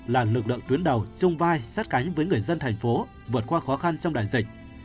là lực lượng tuyến đầu chung vai sát cánh với người dân thành phố vượt qua khó khăn trong đại dịch